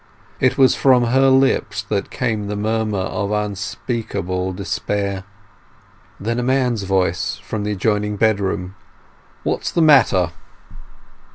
It was from her lips that came the murmur of unspeakable despair. Then a man's voice from the adjoining bedroom— "What's the matter?"